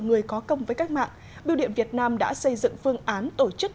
người có công với cách mạng biêu điện việt nam đã xây dựng phương án tổ chức